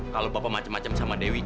kalau bapak macem macem sama dewi